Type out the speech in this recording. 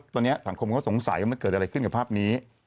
ตอนนี้สังคมก็สงสัยว่ามันเกิดอะไรขึ้นกับภาพนี้